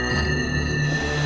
kau tidak bisa melepaskan aku